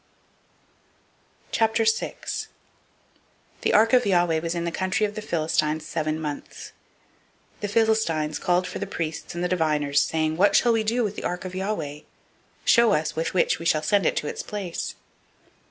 006:001 The ark of Yahweh was in the country of the Philistines seven months. 006:002 The Philistines called for the priests and the diviners, saying, "What shall we do with the ark of Yahweh? Show us with which we shall send it to its place."